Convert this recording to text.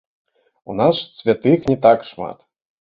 У нас святых не так шмат.